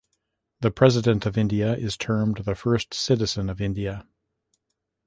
The President of India is termed the first Citizen of India.